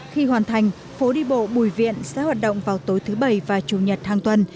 khi hoàn thành phố đi bộ bùi viện sẽ hoạt động vào tối thứ bảy và chủ nhật hàng tuần